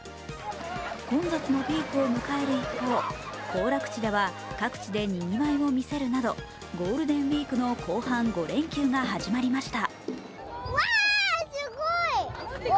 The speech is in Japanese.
混雑のピークを迎える一方、行楽地では各地でにぎわいを見せるなど、ゴールデンウイークの後半５連休が始まりました。